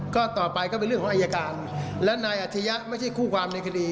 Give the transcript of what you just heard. ก็ต่อไปก็เป็นเรื่องของอายการและนายอัธยะไม่ใช่คู่ความในคดี